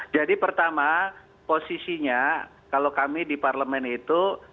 jadi pertama posisinya kalau kami di parlemen itu